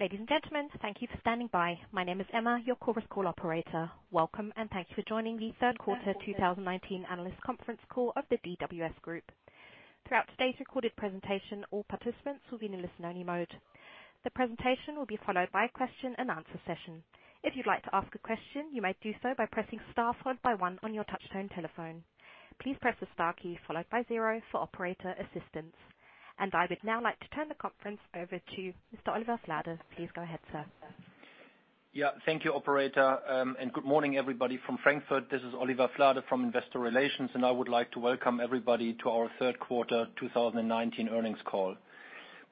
Ladies and gentlemen, thank you for standing by. My name is Emma, your Chorus Call operator. Welcome, and thank you for joining the third quarter 2019 analyst conference call of the DWS Group. Throughout today's recorded presentation, all participants will be in listen-only mode. The presentation will be followed by a question-and-answer session. If you'd like to ask a question, you may do so by pressing star followed by one on your touchtone telephone. Please press the star key followed by zero for operator assistance. I would now like to turn the conference over to Mr. Oliver Flade. Please go ahead, sir. Yeah. Thank you, operator, and good morning, everybody from Frankfurt. This is Oliver Flade from Investor Relations, and I would like to welcome everybody to our third quarter 2019 earnings call.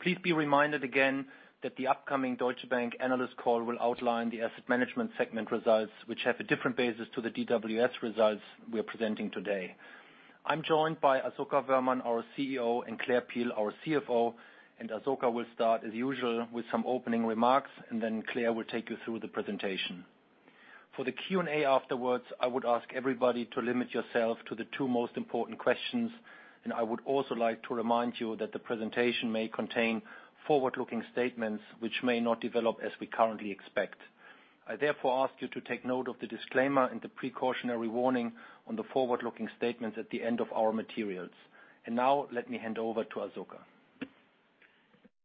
Please be reminded again that the upcoming Deutsche Bank analyst call will outline the asset management segment results, which have a different basis to the DWS results we're presenting today. I'm joined by Asoka Woehrmann, our CEO, and Claire Peel, our CFO, and Asoka will start as usual with some opening remarks, and then Claire will take you through the presentation. For the Q&A afterwards, I would ask everybody to limit yourself to the two most important questions, and I would also like to remind you that the presentation may contain forward-looking statements which may not develop as we currently expect. I therefore ask you to take note of the disclaimer and the precautionary warning on the forward-looking statements at the end of our materials. Now let me hand over to Asoka.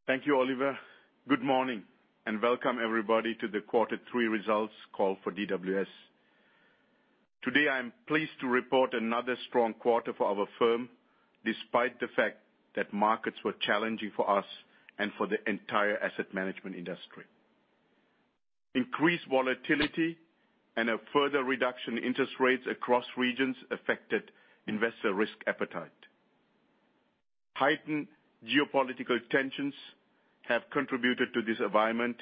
Thank you, Oliver. Good morning and welcome everybody to the quarter three results call for DWS. Today, I am pleased to report another strong quarter for our firm, despite the fact that markets were challenging for us and for the entire asset management industry. Increased volatility and a further reduction in interest rates across regions affected investor risk appetite. Heightened geopolitical tensions have contributed to this environment,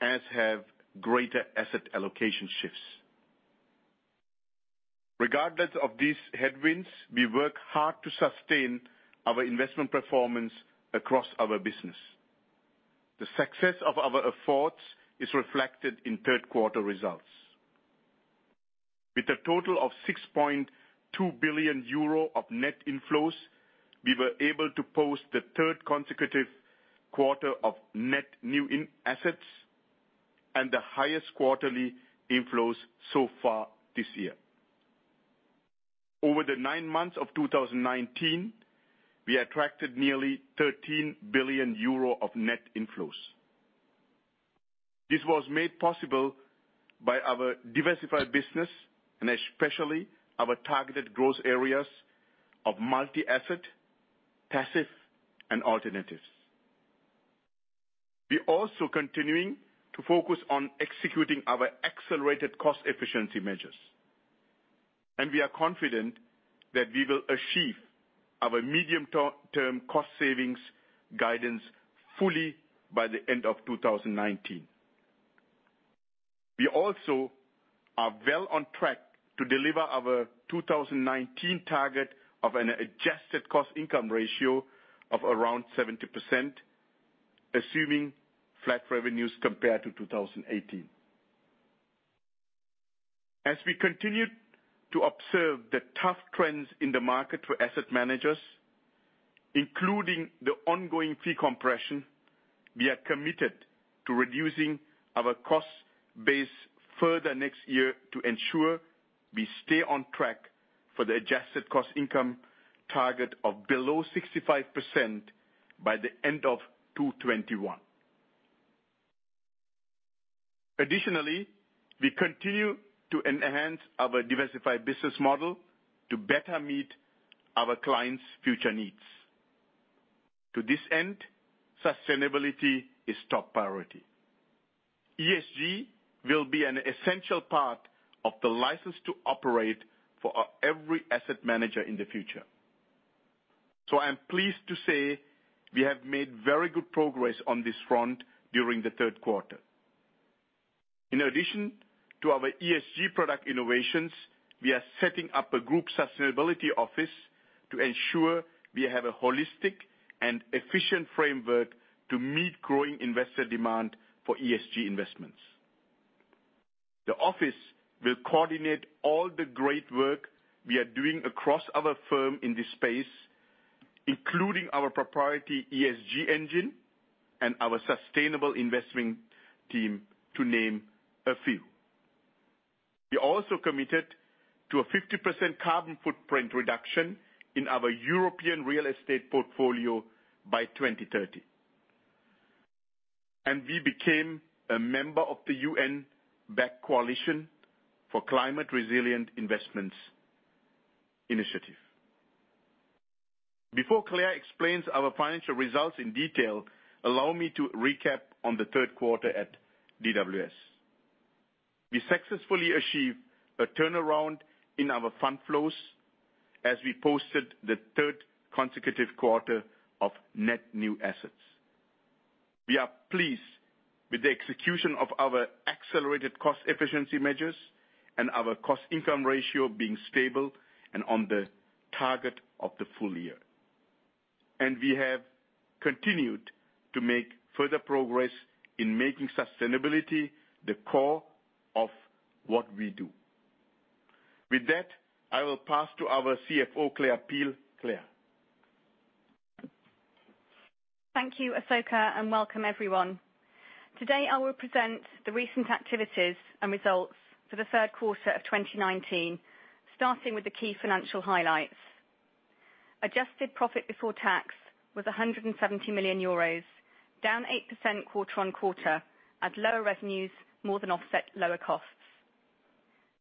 as have greater asset allocation shifts. Regardless of these headwinds, we work hard to sustain our investment performance across our business. The success of our efforts is reflected in third-quarter results. With a total of €6.2 billion of net inflows, we were able to post the third consecutive quarter of net new assets and the highest quarterly inflows so far this year. Over the nine months of 2019, we attracted nearly €13 billion of net inflows. This was made possible by our diversified business and especially our targeted growth areas of multi-asset, passive, and alternatives. We are also continuing to focus on executing our accelerated cost efficiency measures. We are confident that we will achieve our medium-to-term cost savings guidance fully by the end of 2019. We also are well on track to deliver our 2019 target of an adjusted cost income ratio of around 70%, assuming flat revenues compared to 2018. As we continue to observe the tough trends in the market for asset managers, including the ongoing fee compression, we are committed to reducing our cost base further next year to ensure we stay on track for the adjusted cost income target of below 65% by the end of 2021. Additionally, we continue to enhance our diversified business model to better meet our clients' future needs. To this end, sustainability is top priority. ESG will be an essential part of the license to operate for every asset manager in the future. I am pleased to say we have made very good progress on this front during the third quarter. In addition to our ESG product innovations, we are setting up a Group Sustainability Office to ensure we have a holistic and efficient framework to meet growing investor demand for ESG investments. The office will coordinate all the great work we are doing across our firm in this space, including our proprietary ESG Engine and our sustainable investing team, to name a few. We also committed to a 50% carbon footprint reduction in our European real estate portfolio by 2030. We became a member of the UN-backed Coalition for Climate Resilient Investment initiative. Before Claire explains our financial results in detail, allow me to recap on the third quarter at DWS. We successfully achieved a turnaround in our fund flows as we posted the third consecutive quarter of net new assets. We are pleased with the execution of our accelerated cost efficiency measures and our cost income ratio being stable and on the target of the full year. We have continued to make further progress in making sustainability the core of what we do. With that, I will pass to our CFO, Claire Peel. Claire? Thank you, Asoka, and welcome everyone. Today, I will present the recent activities and results for the third quarter of 2019, starting with the key financial highlights. Adjusted profit before tax was €170 million, down 8% quarter-on-quarter, as lower revenues more than offset lower costs.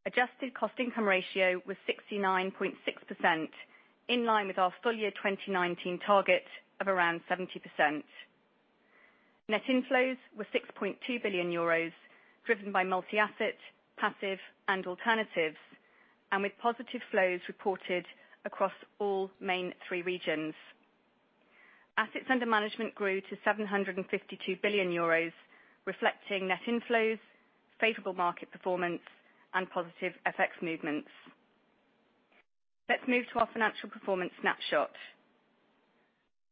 Adjusted cost income ratio was 69.6%, in line with our full year 2019 target of around 70%. Net inflows were €6.2 billion, driven by multi-asset, passive, and alternatives, and with positive flows reported across all main three regions. Assets under management grew to €752 billion, reflecting net inflows, favorable market performance, and positive FX movements. Let's move to our financial performance snapshot.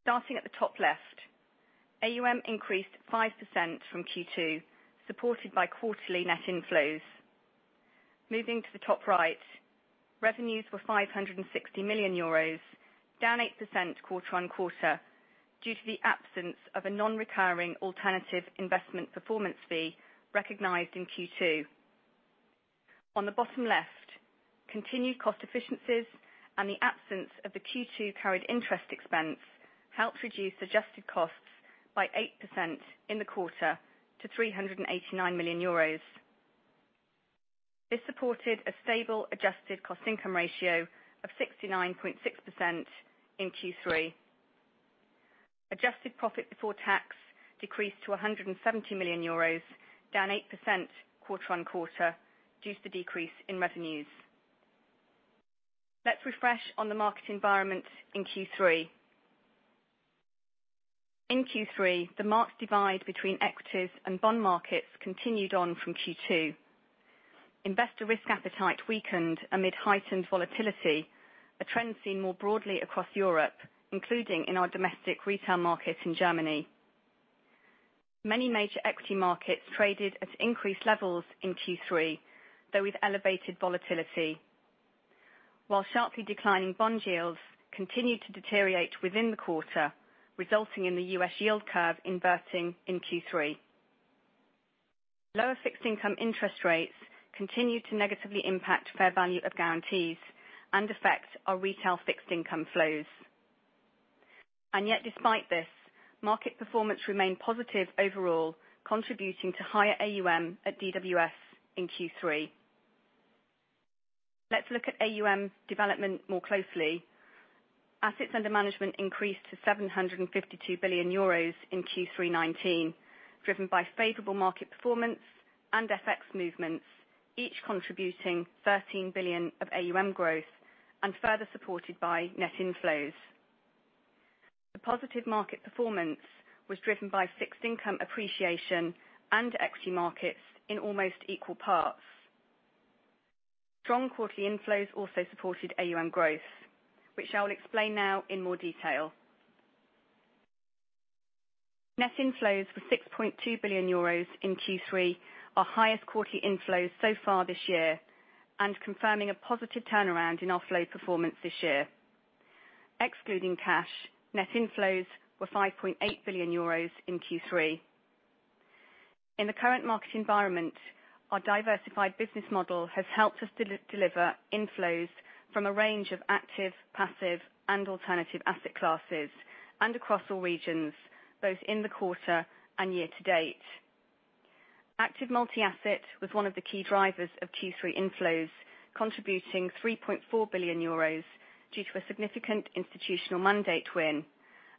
Starting at the top left, AUM increased 5% from Q2, supported by quarterly net inflows. Moving to the top right, revenues were €560 million, down 8% quarter-on-quarter due to the absence of a non-recurring alternative investment performance fee recognized in Q2. On the bottom left, continued cost efficiencies and the absence of the Q2 carried interest expense helped reduce adjusted costs by 8% in the quarter to €389 million. This supported a stable adjusted cost income ratio of 69.6% in Q3. Adjusted profit before tax decreased to €170 million, down 8% quarter-on-quarter due to decrease in revenues. Let's refresh on the market environment in Q3. In Q3, the marked divide between equities and bond markets continued on from Q2. Investor risk appetite weakened amid heightened volatility, a trend seen more broadly across Europe, including in our domestic retail market in Germany. Many major equity markets traded at increased levels in Q3, though with elevated volatility. While sharply declining bond yields continued to deteriorate within the quarter, resulting in the U.S. yield curve inverting in Q3. Lower fixed income interest rates continued to negatively impact fair value of guarantees and affect our retail fixed income flows. Yet despite this, market performance remained positive overall, contributing to higher AUM at DWS in Q3. Let's look at AUM development more closely. Assets under management increased to 752 billion euros in Q3 2019, driven by favorable market performance and FX movements, each contributing 13 billion of AUM growth and further supported by net inflows. The positive market performance was driven by fixed income appreciation and equity markets in almost equal parts. Strong quarterly inflows also supported AUM growth, which I will explain now in more detail. Net inflows were €6.2 billion in Q3, our highest quarterly inflows so far this year, and confirming a positive turnaround in overall performance this year. Excluding cash, net inflows were €5.8 billion in Q3. In the current market environment, our diversified business model has helped us deliver inflows from a range of active, passive, and alternative asset classes, and across all regions, both in the quarter and year to date. Active multi-asset was one of the key drivers of Q3 inflows, contributing €3.4 billion due to a significant institutional mandate win,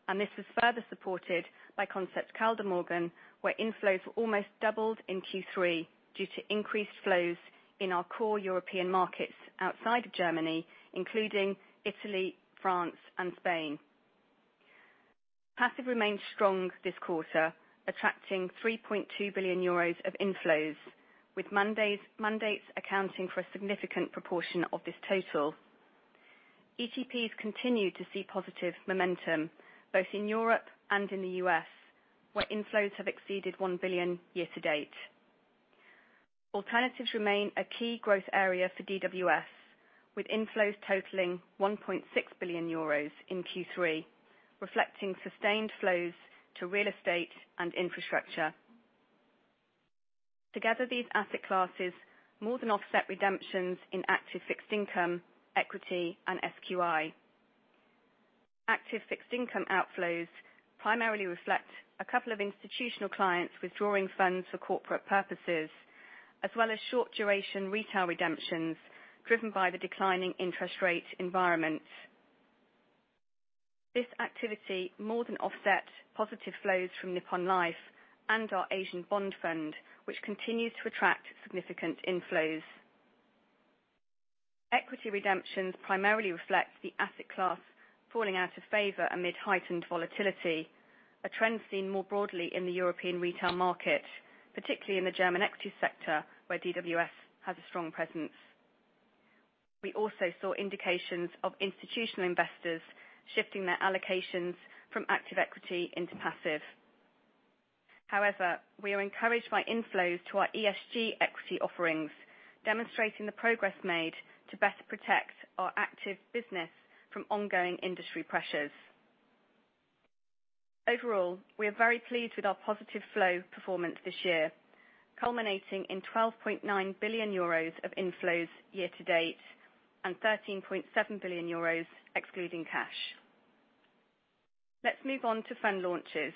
and this was further supported by DWS Concept Kaldemorgen, where inflows were almost doubled in Q3 due to increased flows in our core European markets outside of Germany, including Italy, France, and Spain. Passive remained strong this quarter, attracting €3.2 billion of inflows, with mandates accounting for a significant proportion of this total. ETPs continued to see positive momentum both in Europe and in the U.S., where inflows have exceeded 1 billion year to date. Alternatives remain a key growth area for DWS, with inflows totaling 1.6 billion euros in Q3, reflecting sustained flows to real estate and infrastructure. Together, these asset classes more than offset redemptions in active fixed income, equity, and SQI. Active fixed income outflows primarily reflect a couple of institutional clients withdrawing funds for corporate purposes, as well as short duration retail redemptions driven by the declining interest rate environment. This activity more than offset positive flows from Nippon Life and our Asian Bond Fund, which continues to attract significant inflows. Equity redemptions primarily reflect the asset class falling out of favor amid heightened volatility, a trend seen more broadly in the European retail market, particularly in the German equity sector, where DWS has a strong presence. We also saw indications of institutional investors shifting their allocations from active equity into passive. We are encouraged by inflows to our ESG equity offerings, demonstrating the progress made to better protect our active business from ongoing industry pressures. Overall, we are very pleased with our positive flow performance this year, culminating in €12.9 billion of inflows year to date, and €13.7 billion excluding cash. Let's move on to fund launches.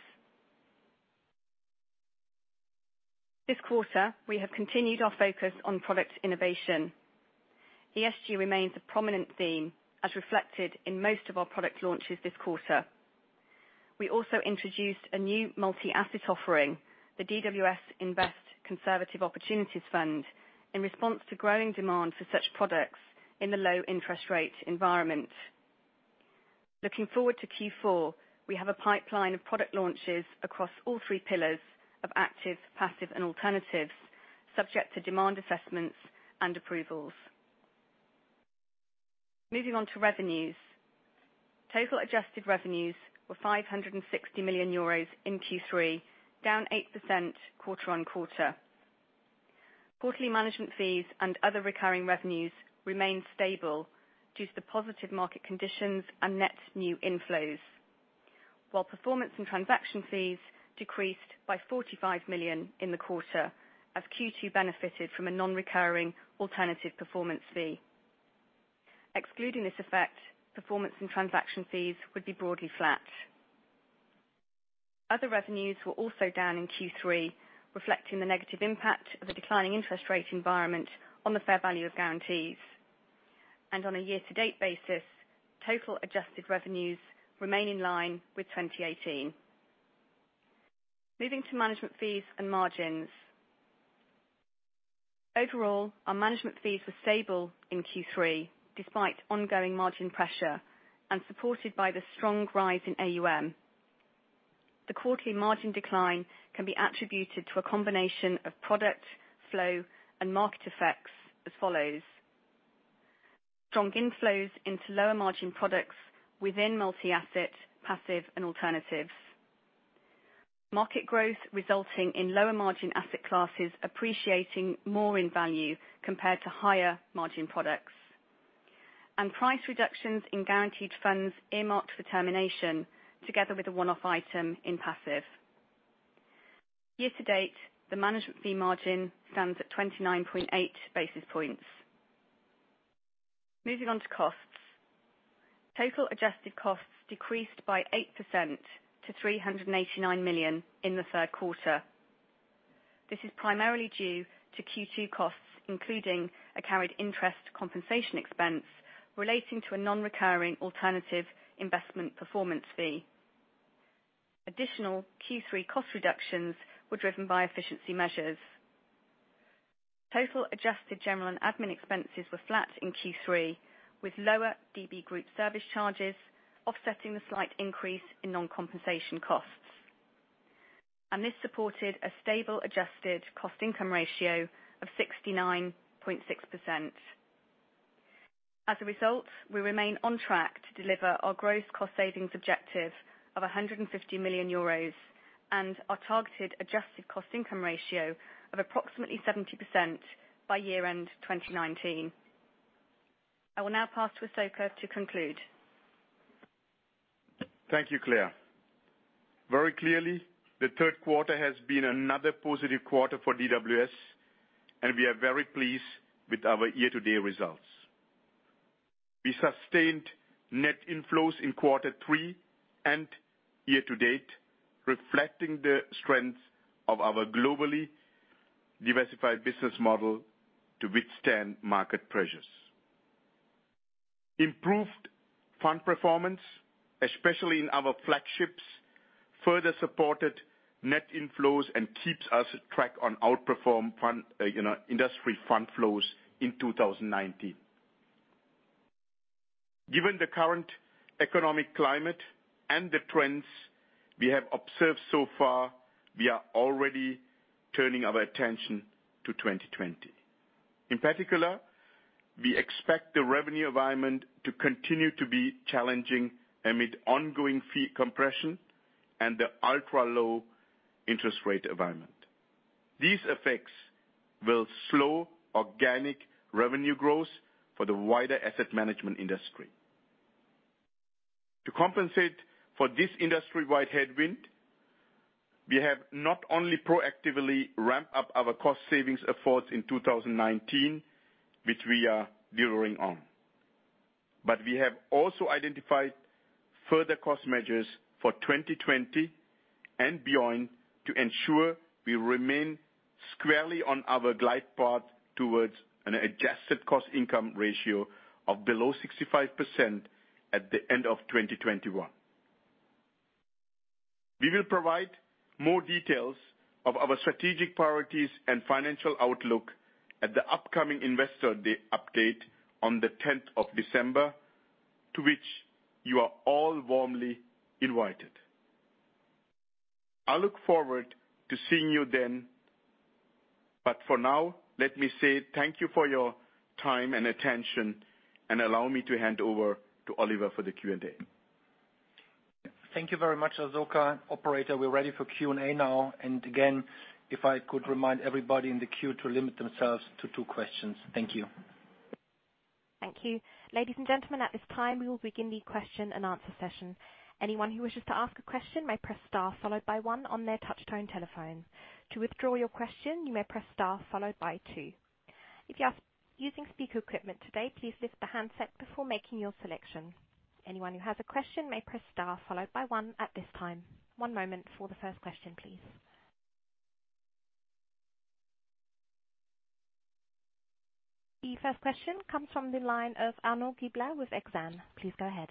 This quarter, we have continued our focus on product innovation. ESG remains a prominent theme as reflected in most of our product launches this quarter. We also introduced a new multi-asset offering, the DWS Invest Conservative Opportunities Fund, in response to growing demand for such products in the low interest rate environment. Looking forward to Q4, we have a pipeline of product launches across all three pillars of active, passive, and alternatives, subject to demand assessments and approvals. Moving on to revenues. Total adjusted revenues were 560 million euros in Q3, down 8% quarter-on-quarter. Quarterly management fees and other recurring revenues remained stable due to the positive market conditions and net new inflows. While performance and transaction fees decreased by 45 million in the quarter, as Q2 benefited from a non-recurring alternative performance fee. Excluding this effect, performance and transaction fees would be broadly flat. Other revenues were also down in Q3, reflecting the negative impact of the declining interest rate environment on the fair value of guarantees. On a year-to-date basis, total adjusted revenues remain in line with 2018. Moving to management fees and margins. Overall, our management fees were stable in Q3, despite ongoing margin pressure and supported by the strong rise in AUM. The quarterly margin decline can be attributed to a combination of product, flow, and market effects as follows. Strong inflows into lower margin products within multi-asset, passive, and alternatives. Market growth resulting in lower margin asset classes appreciating more in value compared to higher margin products. Price reductions in guaranteed funds earmarked for termination, together with a one-off item in passive. Year to date, the management fee margin stands at 29.8 basis points. Moving on to costs. Total adjusted costs decreased by 8% to 389 million in the third quarter. This is primarily due to Q2 costs, including a carried interest compensation expense relating to a non-recurring alternative investment performance fee. Additional Q3 cost reductions were driven by efficiency measures. Total adjusted general and admin expenses were flat in Q3, with lower DB Group service charges offsetting the slight increase in non-compensation costs. This supported a stable adjusted cost income ratio of 69.6%. As a result, we remain on track to deliver our growth cost savings objective of 150 million euros and our targeted adjusted cost income ratio of approximately 70% by year-end 2019. I will now pass to Asoka to conclude. Thank you, Claire. Very clearly, the third quarter has been another positive quarter for DWS, and we are very pleased with our year-to-date results. We sustained net inflows in quarter three and year-to-date, reflecting the strengths of our globally diversified business model to withstand market pressures. Improved fund performance, especially in our flagships, further supported net inflows and keeps us on track to outperform industry fund flows in 2019. Given the current economic climate and the trends we have observed so far, we are already turning our attention to 2020. In particular, we expect the revenue environment to continue to be challenging amid ongoing fee compression and the ultra-low interest rate environment. These effects will slow organic revenue growth for the wider asset management industry. To compensate for this industry-wide headwind, we have not only proactively ramped up our cost savings efforts in 2019, which we are delivering on. We have also identified further cost measures for 2020 and beyond to ensure we remain squarely on our glide path towards an adjusted cost income ratio of below 65% at the end of 2021. We will provide more details of our strategic priorities and financial outlook at the upcoming investor update on the 10th of December, to which you are all warmly invited. I look forward to seeing you then. For now, let me say thank you for your time and attention, and allow me to hand over to Oliver for the Q&A. Thank you very much, Asoka. Operator, we're ready for Q&A now. Again, if I could remind everybody in the queue to limit themselves to two questions. Thank you. Thank you. Ladies and gentlemen, at this time, we will begin the question and answer session. Anyone who wishes to ask a question may press star followed by one on their touch-tone telephone. To withdraw your question, you may press star followed by two. If you are using speaker equipment today, please lift the handset before making your selection. Anyone who has a question may press star followed by one at this time. One moment for the first question, please. The first question comes from the line of Arnaud Giblat with Exane. Please go ahead.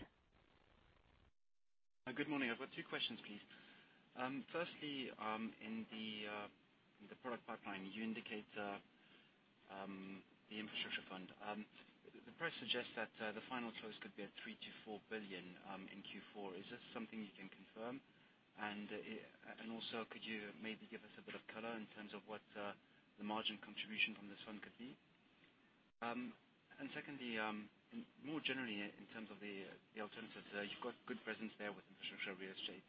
Good morning. I've got two questions, please. Firstly, in the product pipeline, you indicate the infrastructure fund. The press suggests that the final close could be at 3 billion-4 billion in Q4. Is this something you can confirm? Also, could you maybe give us a bit of color in terms of what the margin contribution from this one could be? Secondly, more generally in terms of the alternatives, you've got good presence there with infrastructure real estate.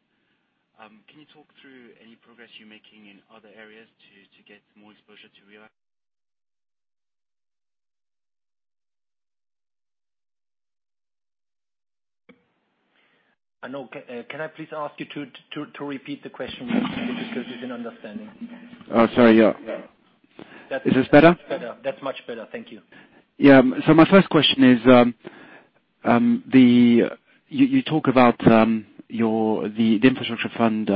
Can you talk through any progress you're making in other areas to get more exposure to real Arnaud, can I please ask you to repeat the question just because there's an understanding. Oh, sorry, yeah. Is this better? That's much better. Thank you. My first question is, you talk about the infrastructure fund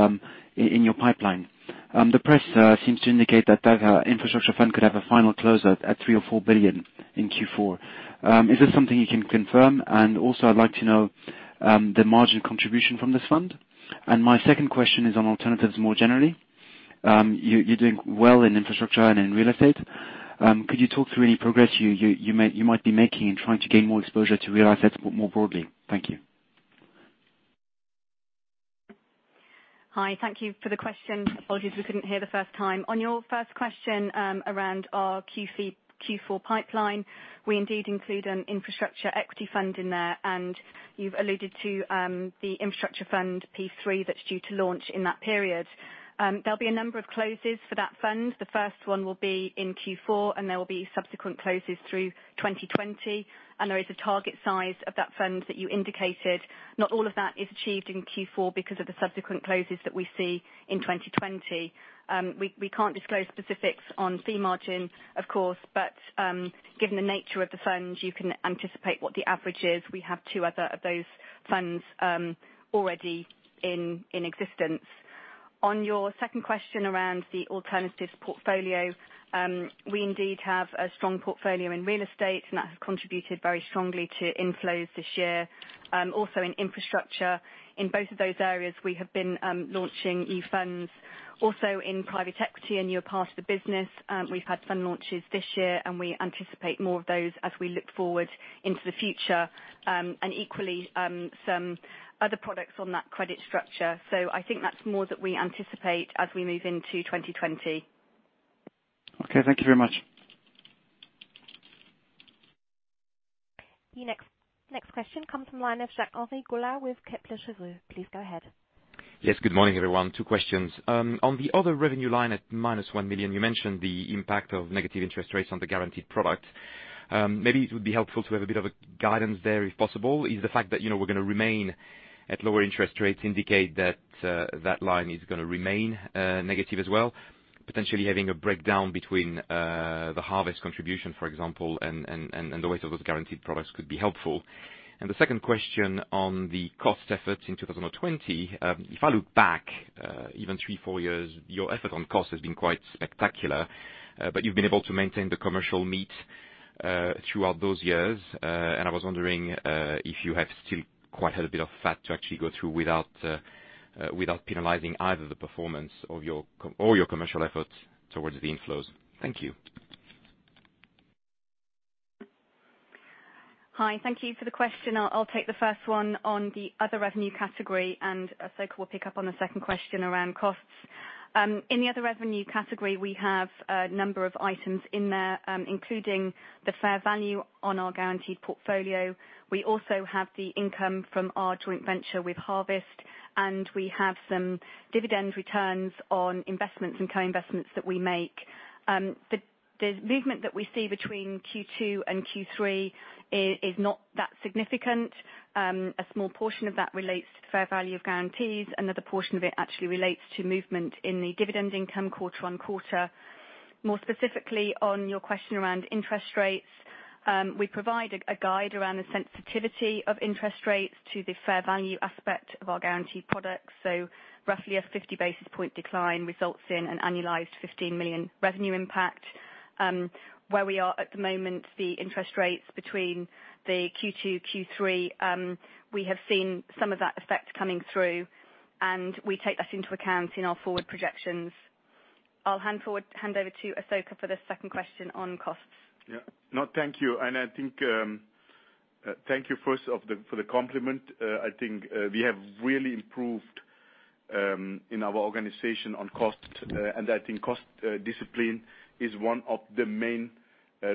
in your pipeline. The press seems to indicate that that infrastructure fund could have a final close at 3 billion or 4 billion in Q4. Is this something you can confirm? Also, I'd like to know the margin contribution from this fund. My second question is on alternatives more generally. You're doing well in infrastructure and in real estate. Could you talk through any progress you might be making in trying to gain more exposure to real estate more broadly? Thank you. Hi, thank you for the question. Apologies, we couldn't hear the first time. On your first question around our Q4 pipeline, we indeed include an infrastructure equity fund in there, and you've alluded to the infrastructure fund PEIF III that's due to launch in that period. There'll be a number of closes for that fund. The first one will be in Q4 and there will be subsequent closes through 2020. There is a target size of that fund that you indicated. Not all of that is achieved in Q4 because of the subsequent closes that we see in 2020. We can't disclose specifics on fee margin, of course. Given the nature of the fund, you can anticipate what the average is. We have two other of those funds already in existence. On your second question around the alternatives portfolio, we indeed have a strong portfolio in real estate, and that has contributed very strongly to inflows this year. Also in infrastructure. In both of those areas, we have been launching a fund. Also in private equity, a newer part of the business, we've had fund launches this year, and we anticipate more of those as we look forward into the future. Equally, some other products on that credit structure. I think that's more that we anticipate as we move into 2020. Okay. Thank you very much. The next question comes from line of Jacques-Henri Gaulard with Kepler Cheuvreux. Please go ahead. Yes. Good morning, everyone. Two questions. On the other revenue line at minus 1 million, you mentioned the impact of negative interest rates on the guaranteed product. Maybe it would be helpful to have a bit of a guidance there, if possible. Is the fact that we're going to remain at lower interest rates indicate that line is going to remain negative as well? Potentially having a breakdown between the harvest contribution, for example, and the weight of those guaranteed products could be helpful. The second question on the cost efforts in 2020. If I look back even three, four years, your effort on cost has been quite spectacular. You've been able to maintain the commercial needs throughout those years. I was wondering if you have still quite had a bit of fat to actually go through without penalizing either the performance or your commercial efforts towards the inflows? Thank you. Hi. Thank you for the question. I'll take the first one on the other revenue category. Asoka will pick up on the second question around costs. In the other revenue category, we have a number of items in there, including the fair value on our guaranteed portfolio. We also have the income from our joint venture with Harvest. We have some dividend returns on investments and co-investments that we make. The movement that we see between Q2 and Q3 is not that significant. A small portion of that relates to fair value of guarantees. Another portion of that actually relates to movement in the dividend income quarter on quarter. More specifically on your question around interest rates. We provide a guide around the sensitivity of interest rates to the fair value aspect of our guaranteed products. Roughly a 50 basis point decline results in an annualized 15 million revenue impact. Where we are at the moment, the interest rates between the Q2, Q3, we have seen some of that effect coming through, and we take that into account in our forward projections. I'll hand over to Asoka for the second question on costs. Yeah. No, thank you. Thank you first for the compliment. I think we have really improved in our organization on cost, and I think cost discipline is one of the main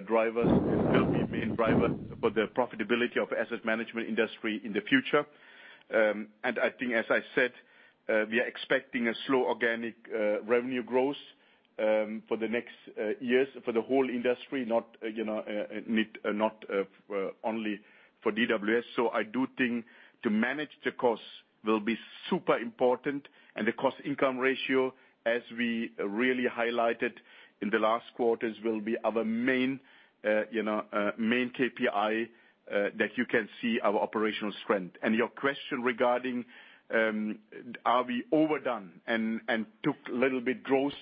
drivers and will be a main driver for the profitability of asset management industry in the future. I think, as I said, we are expecting a slow organic revenue growth for the next years for the whole industry, not only for DWS. I do think to manage the costs will be super important and the cost income ratio, as we really highlighted in the last quarters, will be our main KPI that you can see our operational strength. Your question regarding are we overdone and took little bit growth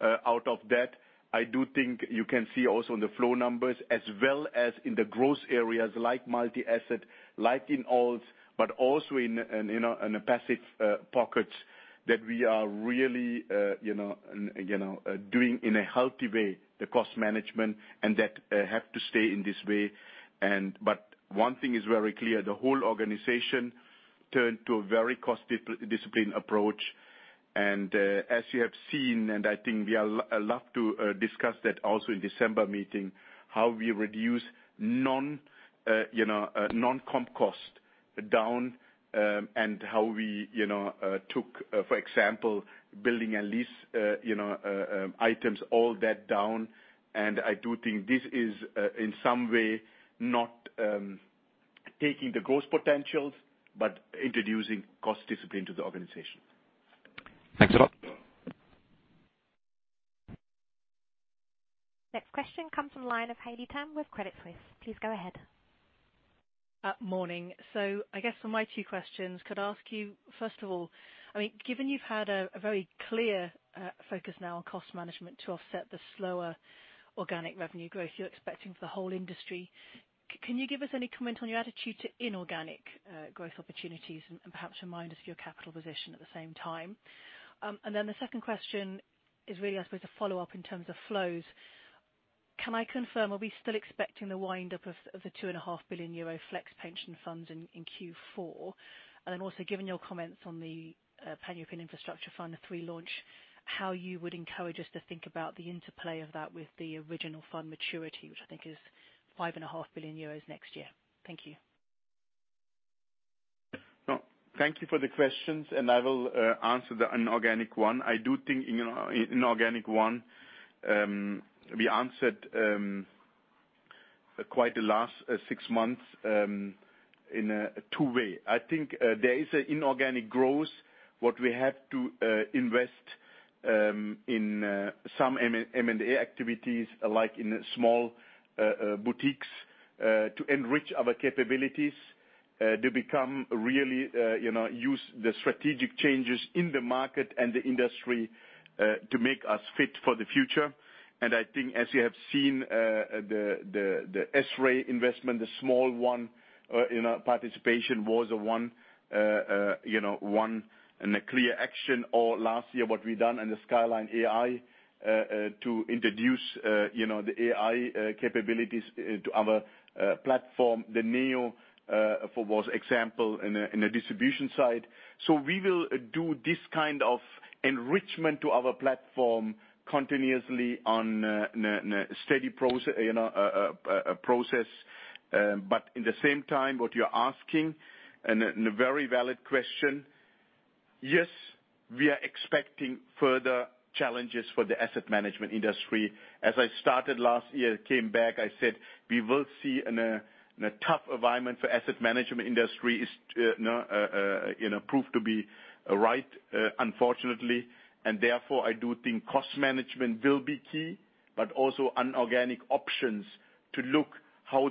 out of that, I do think you can see also in the flow numbers as well as in the growth areas like multi-asset, like in alts, but also in the passive pockets that we are really doing in a healthy way, the cost management and that have to stay in this way. One thing is very clear, the whole organization turned to a very cost disciplined approach. As you have seen, and I think we love to discuss that also in December meeting, how we reduce non-comp cost down and how we took, for example, building a lease items all that down. I do think this is, in some way, not taking the growth potentials, but introducing cost discipline to the organization. Thanks a lot. Next question comes from the line of Haley Tam with Credit Suisse. Please go ahead. Morning. I guess for my two questions, could ask you, first of all, given you've had a very clear focus now on cost management to offset the slower organic revenue growth you're expecting for the whole industry, can you give us any comment on your attitude to inorganic growth opportunities and perhaps remind us of your capital position at the same time? The second question is really, I suppose, a follow-up in terms of flows. Can I confirm, are we still expecting the wind up of the 2.5 billion euro DWS FlexPension funds in Q4? Also, given your comments on the Pan-European Infrastructure Fund III launch, how you would encourage us to think about the interplay of that with the original fund maturity, which I think is 5.5 billion euros next year. Thank you. Thank you for the questions. I will answer the inorganic one. I do think inorganic one, we answered quite the last six months in a two-way. I think there is inorganic growth, what we have to invest in some M&A activities, like in small boutiques, to enrich our capabilities to become really use the strategic changes in the market and the industry to make us fit for the future. I think as you have seen, the S-Ray investment, the small one, participation was one clear action, or last year what we done in the Skyline AI to introduce the AI capabilities to our platform. The Neo was example in the distribution side. We will do this kind of enrichment to our platform continuously on a steady process. In the same time, what you're asking, and a very valid question, yes, we are expecting further challenges for the asset management industry. As I started last year, came back, I said we will see a tough environment for asset management industry is proved to be right, unfortunately. Therefore, I do think cost management will be key, but also inorganic options to look how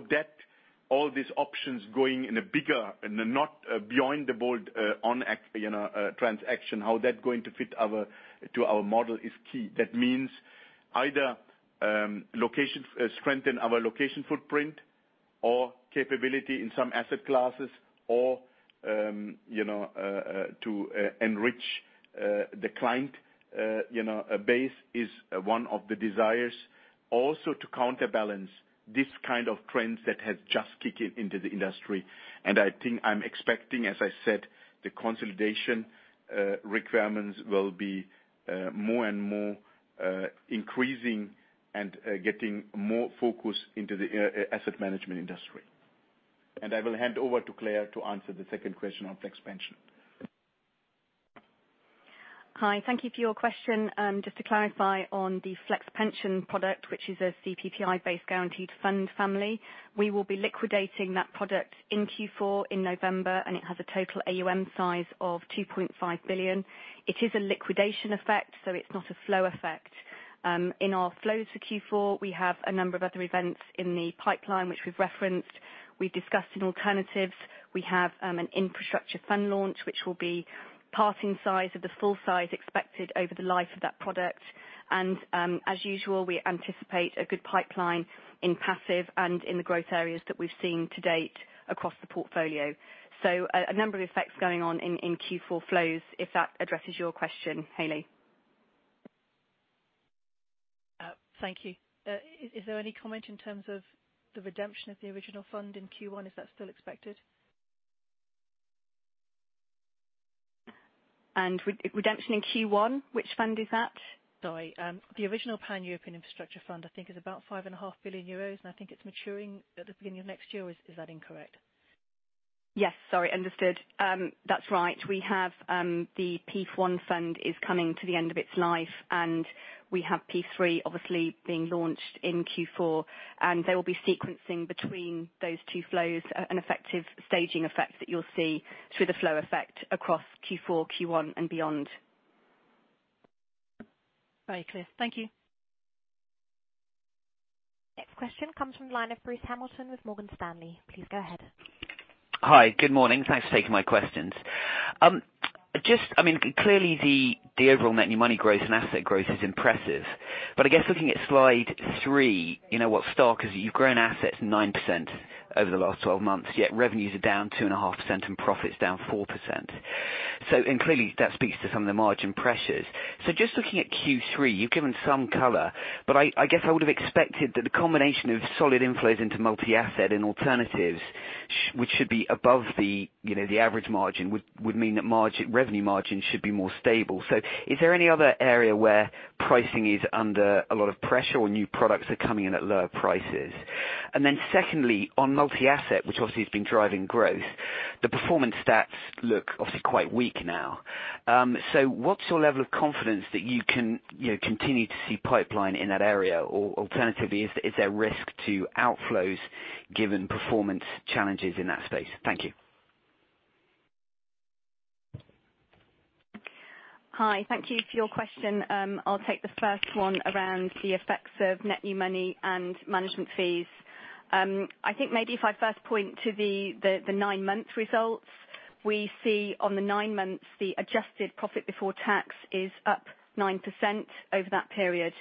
all these options going in a bigger and not beyond the bold transaction, how that going to fit to our model is key. That means either strengthen our location footprint or capability in some asset classes or to enrich the client base is one of the desires. Also to counterbalance this kind of trends that has just kicked into the industry. I think I'm expecting, as I said, the consolidation requirements will be more and more increasing and getting more focus into the asset management industry. I will hand over to Claire to answer the second question on FlexPension. Hi. Thank you for your question. Just to clarify on the DWS FlexPension, which is a CPPI-based guaranteed fund family, we will be liquidating that product in Q4 in November, and it has a total AUM size of 2.5 billion. It is a liquidation effect, so it's not a flow effect. In our flows for Q4, we have a number of other events in the pipeline which we've referenced. We've discussed in alternatives, we have an infrastructure fund launch which will be passing size of the full size expected over the life of that product. As usual, we anticipate a good pipeline in passive and in the growth areas that we've seen to date across the portfolio. A number of effects going on in Q4 flows, if that addresses your question, Haley. Thank you. Is there any comment in terms of the redemption of the original fund in Q1? Is that still expected? Redemption in Q1, which fund is that? Sorry. The original Pan-European Infrastructure Fund, I think is about five and a half billion euros, and I think it's maturing at the beginning of next year. Is that incorrect? Yes. Sorry, understood. That's right. We have the PEIF I fund is coming to the end of its life. We have PEIF III obviously being launched in Q4. There will be sequencing between those two flows, an effective staging effect that you'll see through the flow effect across Q4, Q1, and beyond. Very clear. Thank you. Next question comes from the line of Bruce Hamilton with Morgan Stanley. Please go ahead. Hi. Good morning. Thanks for taking my questions. Clearly, the overall net new money growth and asset growth is impressive. I guess looking at slide three, what's stark is that you've grown assets 9% over the last 12 months, yet revenues are down 2.5% and profits down 4%. Clearly, that speaks to some of the margin pressures. Just looking at Q3, you've given some color, but I guess I would have expected that the combination of solid inflows into multi-asset and alternatives, which should be above the average margin, would mean that revenue margins should be more stable. Is there any other area where pricing is under a lot of pressure or new products are coming in at lower prices? Secondly, on multi-asset, which obviously has been driving growth, the performance stats look obviously quite weak now. What's your level of confidence that you can continue to see pipeline in that area, or alternatively, is there risk to outflows given performance challenges in that space? Thank you. Hi. Thank you for your question. I'll take the first one around the effects of net new money and management fees. I think maybe if I first point to the nine-month results. We see on the nine months, the adjusted profit before tax is up 9% over that period.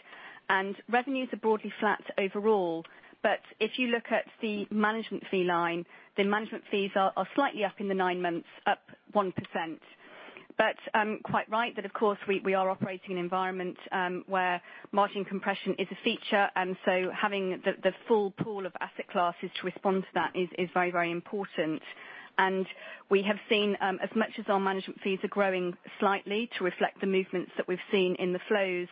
Revenues are broadly flat overall. If you look at the management fee line, the management fees are slightly up in the nine months, up 1%. Quite right that of course, we are operating in an environment where margin compression is a feature, and so having the full pool of asset classes to respond to that is very important. We have seen, as much as our management fees are growing slightly to reflect the movements that we've seen in the flows,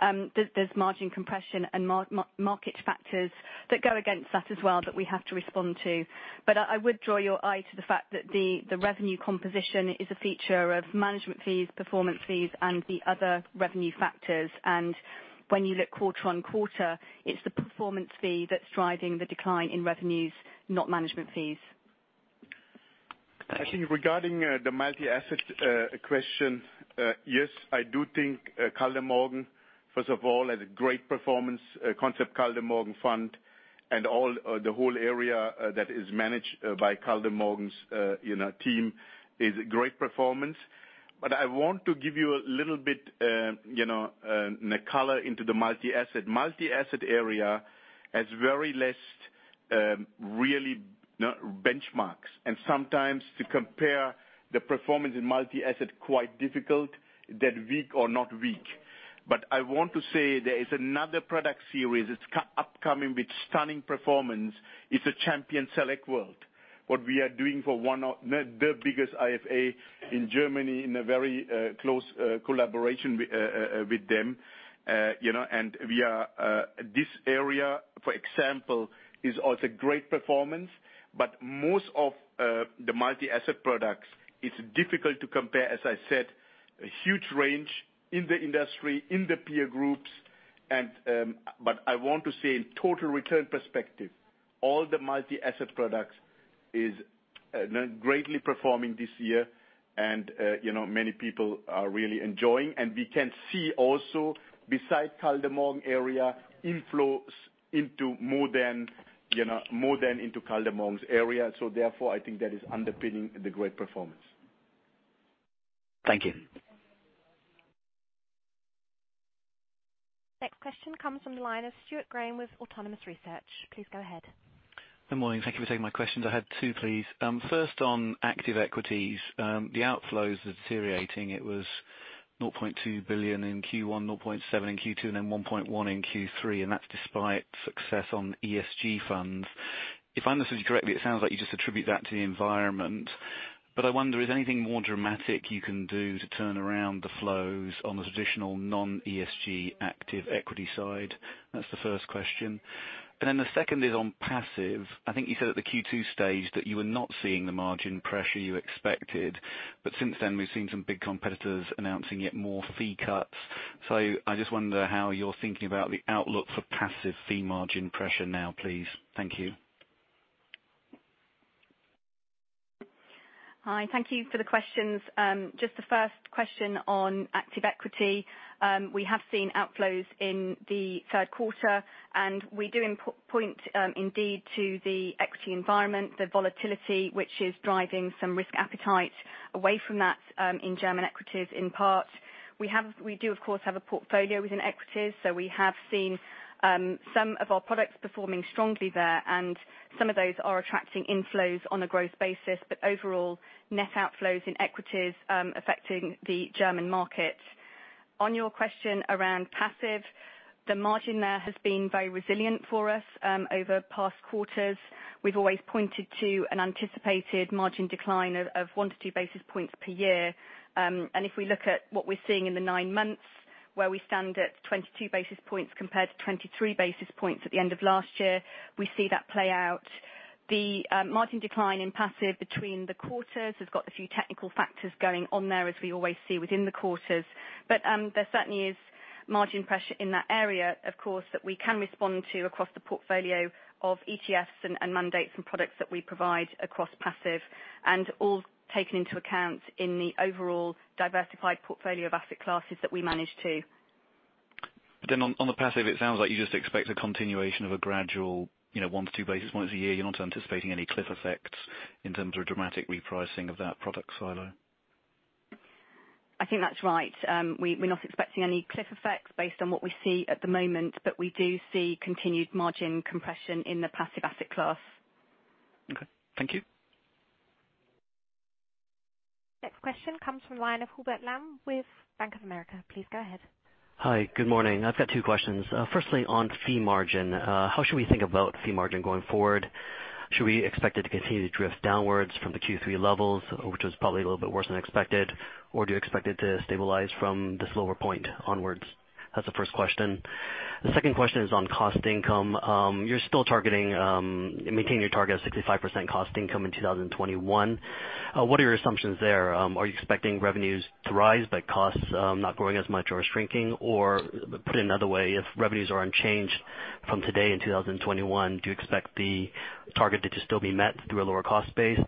there's margin compression and market factors that go against that as well that we have to respond to. I would draw your eye to the fact that the revenue composition is a feature of management fees, performance fees, and the other revenue factors. When you look quarter-on-quarter, it's the performance fee that's driving the decline in revenues, not management fees. Thank you. I think regarding the multi-asset question, yes, I do think Kaldemorgen, first of all, has a great performance concept, Kaldemorgen Fund, and the whole area that is managed by Kaldemorgen's team is a great performance. I want to give you a little bit color into the multi-asset. Multi-asset area has very less really benchmarks, and sometimes to compare the performance in multi-asset quite difficult, they're weak or not weak. I want to say there is another product series that's upcoming with stunning performance. It's a Champion Select World. What we are doing for the biggest IFA in Germany in a very close collaboration with them. This area, for example, is also great performance. Most of the multi-asset products, it's difficult to compare, as I said, a huge range in the industry, in the peer groups. I want to say in total return perspective, all the multi-asset products is greatly performing this year and many people are really enjoying. We can see also beside Kaldemorgen area inflows into more than into Kaldemorgen's area. Therefore, I think that is underpinning the great performance. Thank you. Next question comes from the line of Stuart Graham with Autonomous Research. Please go ahead. Good morning. Thank you for taking my questions. I had two, please. First on active equities. The outflows are deteriorating. It was 0.2 billion in Q1, 0.7 in Q2, and then 1.1 in Q3, and that's despite success on ESG funds. If I understood you correctly, it sounds like you just attribute that to the environment. I wonder, is there anything more dramatic you can do to turn around the flows on the traditional non-ESG active equity side? That's the first question. The second is on passive. I think you said at the Q2 stage that you were not seeing the margin pressure you expected. Since then, we've seen some big competitors announcing yet more fee cuts. I just wonder how you're thinking about the outlook for passive fee margin pressure now, please. Thank you. Hi. Thank you for the questions. Just the first question on active equity. We have seen outflows in the third quarter, and we do point indeed to the equity environment, the volatility, which is driving some risk appetite away from that in German equities in part. We do of course have a portfolio within equities. We have seen some of our products performing strongly there, and some of those are attracting inflows on a growth basis. Overall, net outflows in equities affecting the German market. On your question around passive, the margin there has been very resilient for us over past quarters. We've always pointed to an anticipated margin decline of one to two basis points per year. If we look at what we're seeing in the nine months, where we stand at 22 basis points compared to 23 basis points at the end of last year, we see that play out. The margin decline in passive between the quarters has got a few technical factors going on there, as we always see within the quarters. There certainly is margin pressure in that area, of course, that we can respond to across the portfolio of ETFs and mandates and products that we provide across passive and all taken into account in the overall diversified portfolio of asset classes that we manage too. On the passive, it sounds like you just expect a continuation of a gradual 1 to 2 basis points a year. You're not anticipating any cliff effects in terms of a dramatic repricing of that product silo. I think that's right. We're not expecting any cliff effects based on what we see at the moment, but we do see continued margin compression in the passive asset class. Okay. Thank you. Next question comes from the line of Hubert Lam with Bank of America. Please go ahead. Hi. Good morning. I've got two questions. Firstly, on fee margin. How should we think about fee margin going forward? Should we expect it to continue to drift downwards from the Q3 levels, which was probably a little bit worse than expected? Do you expect it to stabilize from this lower point onwards? That's the first question. The second question is on cost income. You're still maintaining your target of 65% cost income in 2021. What are your assumptions there? Are you expecting revenues to rise but costs not growing as much or shrinking? Put it another way, if revenues are unchanged from today in 2021, do you expect the target to still be met through a lower cost base?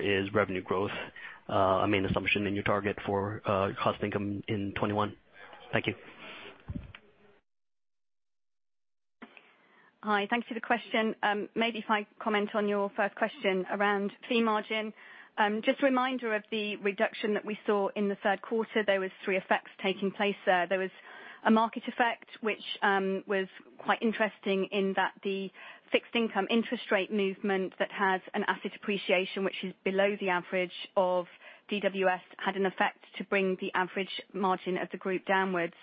Is revenue growth a main assumption in your target for cost income in 2021? Thank you. Hi. Thank you for the question. If I comment on your first question around fee margin. Just a reminder of the reduction that we saw in the third quarter. There was three effects taking place there. There was a market effect, which was quite interesting in that the fixed income interest rate movement that has an asset appreciation, which is below the average of DWS, had an effect to bring the average margin of the group downwards.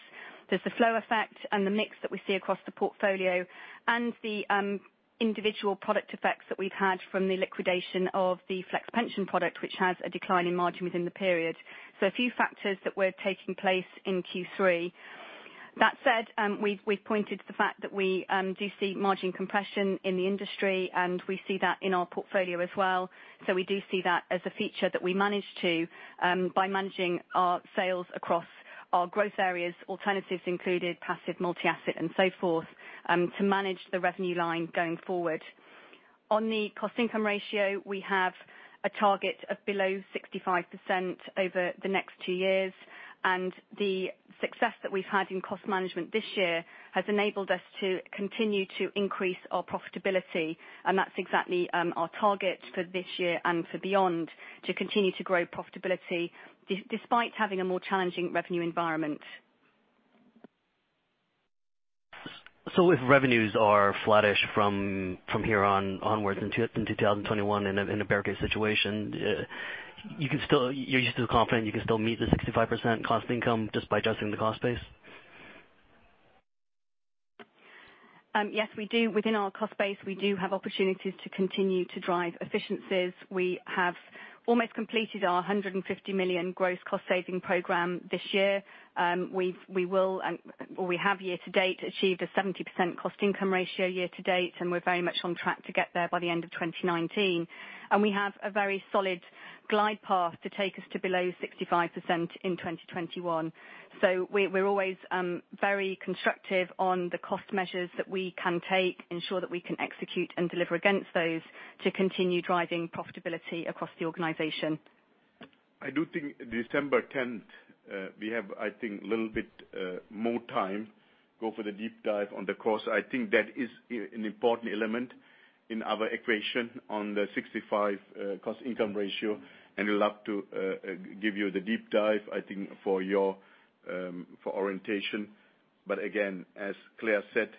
There's the flow effect and the mix that we see across the portfolio and the individual product effects that we've had from the liquidation of the DWS FlexPension product, which has a decline in margin within the period. A few factors that were taking place in Q3. That said, we've pointed to the fact that we do see margin compression in the industry, and we see that in our portfolio as well. We do see that as a feature that we manage to by managing our sales across our growth areas, alternatives included passive multi-asset and so forth, to manage the revenue line going forward. On the cost income ratio, we have a target of below 65% over the next two years, and the success that we've had in cost management this year has enabled us to continue to increase our profitability. That's exactly our target for this year and for beyond, to continue to grow profitability despite having a more challenging revenue environment. If revenues are flattish from here onwards in 2021 in a bear case situation, you're still confident you can still meet the 65% cost income just by adjusting the cost base? Yes, we do. Within our cost base, we do have opportunities to continue to drive efficiencies. We have almost completed our 150 million gross cost saving program this year. We have year-to-date achieved a 70% cost income ratio year-to-date. We are very much on track to get there by the end of 2019. We have a very solid glide path to take us to below 65% in 2021. We are always very constructive on the cost measures that we can take, ensure that we can execute and deliver against those to continue driving profitability across the organization. I do think December 10th, we have, I think, a little bit more time go for the deep dive on the course. I think that is an important element in our equation on the 65 cost income ratio, and we love to give you the deep dive, I think, for orientation. Again, as Claire said,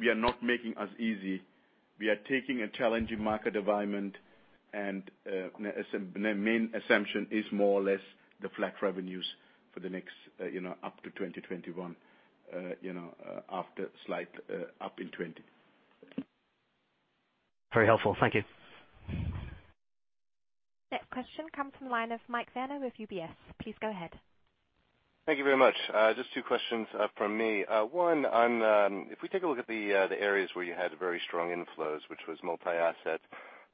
we are not making as easy. We are taking a challenging market environment and the main assumption is more or less the flat revenues for the next up to 2021 after slight up in 2020. Very helpful. Thank you. Next question comes from the line of Michael Werner with UBS. Please go ahead. Thank you very much. Just two questions from me. If we take a look at the areas where you had very strong inflows, which was multi-asset,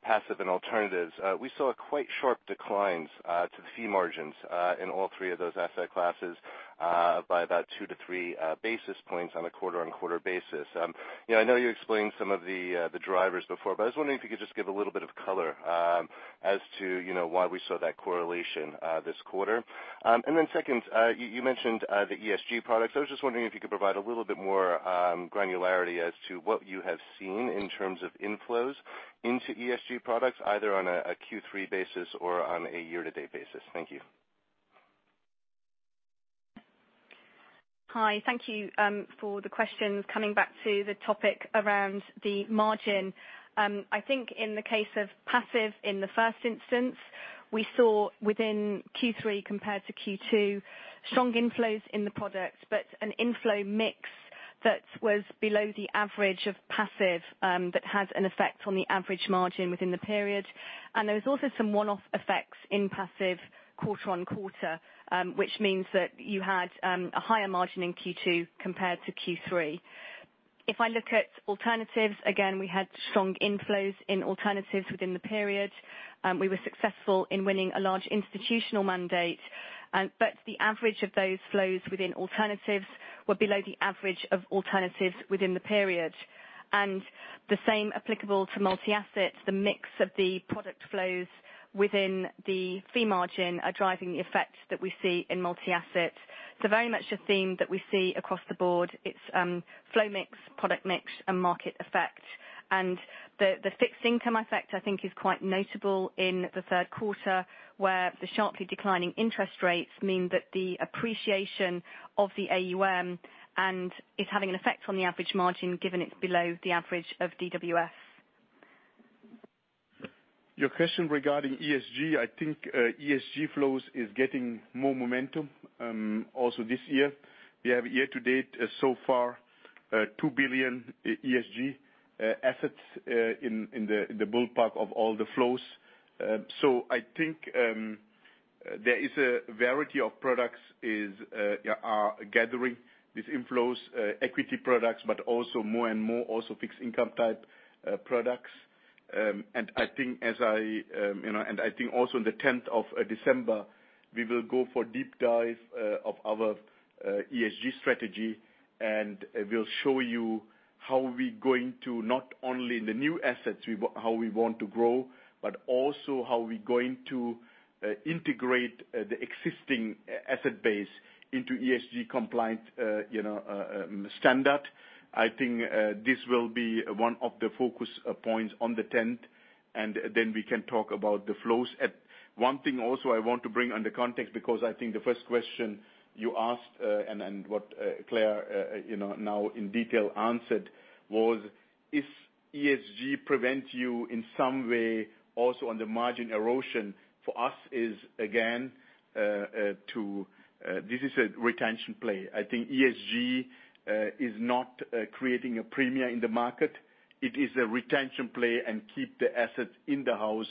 passive and alternatives. We saw a quite sharp declines to the fee margins in all three of those asset classes by about two to three basis points on a quarter-on-quarter basis. I know you explained some of the drivers before, I was wondering if you could just give a little bit of color as to why we saw that correlation this quarter. Second, you mentioned the ESG products. I was just wondering if you could provide a little bit more granularity as to what you have seen in terms of inflows into ESG products, either on a Q3 basis or on a year-to-date basis. Thank you. Hi. Thank you for the questions. Coming back to the topic around the margin. I think in the case of passive, in the first instance, we saw within Q3 compared to Q2, strong inflows in the product, but an inflow mix that was below the average of passive that had an effect on the average margin within the period. There was also some one-off effects in passive quarter-on-quarter, which means that you had a higher margin in Q2 compared to Q3. If I look at alternatives, again, we had strong inflows in alternatives within the period. We were successful in winning a large institutional mandate, but the average of those flows within alternatives were below the average of alternatives within the period. The same applicable to multi-assets. The mix of the product flows within the fee margin are driving the effect that we see in multi-asset. Very much a theme that we see across the board. It's flow mix, product mix, and market effect. The fixed income effect, I think, is quite notable in the third quarter, where the sharply declining interest rates mean that the appreciation of the AUM and is having an effect on the average margin, given it's below the average of DWS. Your question regarding ESG, I think ESG flows is getting more momentum. This year, we have year-to-date so far 2 billion ESG assets in the ballpark of all the flows. I think there is a variety of products are gathering these inflows equity products, but also more and more also fixed income type products. I think also on the 10th of December, we will go for deep dive of our ESG strategy and we will show you how we going to, not only in the new assets how we want to grow, but also how we going to integrate the existing asset base into ESG-compliant standard. I think this will be one of the focus points on the 10th, and then we can talk about the flows. One thing also I want to bring on the context, because I think the first question you asked, and what Claire now in detail answered was, if ESG prevent you in some way also on the margin erosion for us is again, this is a retention play. I think ESG is not creating a premier in the market. It is a retention play and keep the asset in the house,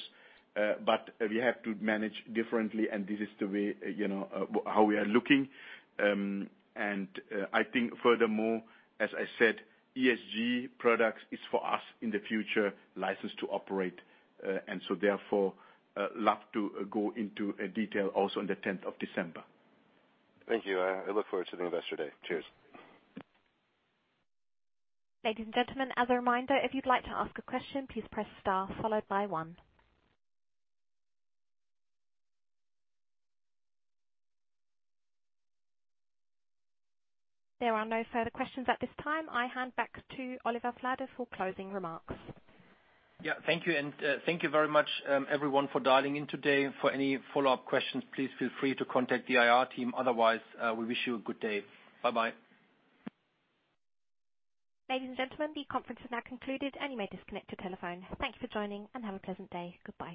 we have to manage differently and this is the way how we are looking. I think furthermore, as I said, ESG products is for us in the future license to operate. Love to go into detail also on the 10th of December. Thank you. I look forward to the investor day. Cheers. Ladies and gentlemen, as a reminder, if you'd like to ask a question, please press star followed by one. There are no further questions at this time. I hand back to Oliver Flade for closing remarks. Yeah, thank you. Thank you very much, everyone for dialing in today. For any follow-up questions, please feel free to contact the IR team. Otherwise, we wish you a good day. Bye-bye. Ladies and gentlemen, the conference is now concluded and you may disconnect your telephone. Thank you for joining and have a pleasant day. Goodbye.